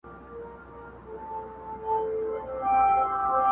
زه خو نه غواړم ژوندون د بې هنبرو!.